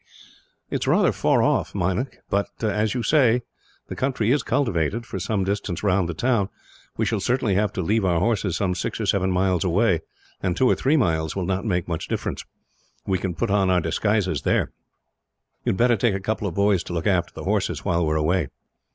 "It is rather far off, Meinik; but as you say the country is cultivated, for some distance round the town, we shall certainly have to leave our horses some six or seven miles away; and two or three miles will not make much difference. We can put on our disguises there. "You had better take a couple of boys to look after the horses, while we are away."